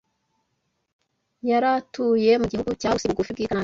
Yari atuye mu gihugu cya Usi bugufi bw’i Kanani